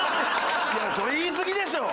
それ言いすぎでしょ！